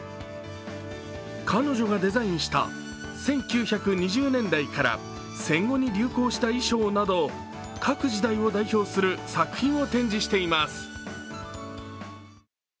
彼女がデザインした１９２０年代から戦後に流行した衣装など各時代を代表する作品を展示しています。